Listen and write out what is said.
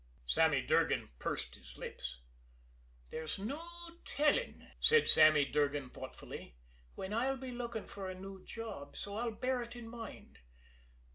Sammy Durgan pursed his lips. "There's no telling," said Sammy Durgan thoughtfully, "when I'll be looking for a new job, so I'll bear it in mind.